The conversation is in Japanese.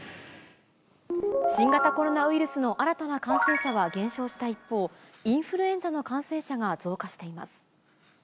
新型コロナウイルスの新たな感染者は減少した一方、インフルエンザの感染者が増加しています。